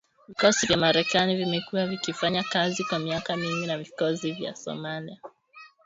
Vikosi vya Marekani vimekuwa vikifanya kazi kwa miaka mingi na vikosi vya Somalia